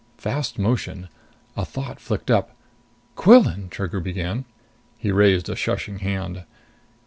Fast motion. A thought flicked up. "Quillan " Trigger began. He raised a shushing hand.